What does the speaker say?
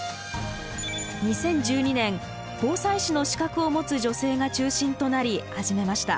２０１２年防災士の資格を持つ女性が中心となり始めました。